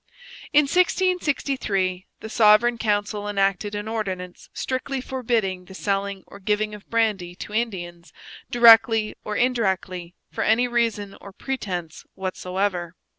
In 1663 the Sovereign Council enacted an ordinance strictly forbidding the selling or giving of brandy to Indians directly or indirectly, for any reason or pretence whatsoever.